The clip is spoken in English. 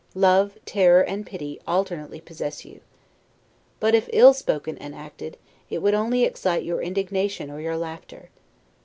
Love, terror, and pity alternately possess you. But, if ill spoken and acted, it would only excite your indignation or your laughter.